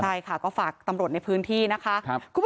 ใช่ค่ะก็ฝากตำรวจในพื้นที่นะคะ